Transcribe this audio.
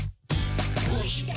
「どうして？